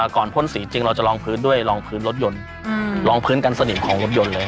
พ่นสีจริงเราจะลองพื้นด้วยลองพื้นรถยนต์ลองพื้นกันสนิมของรถยนต์เลย